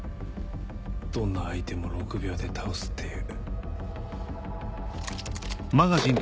どんな相手も６秒で倒すっていう。